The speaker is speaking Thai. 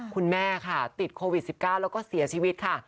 คุณแม่ค่ะติดโควิด๑๙แล้วก็เสียชีวิตค่ะ